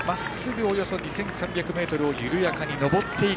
およそ２３００ｍを緩やかに上っていく。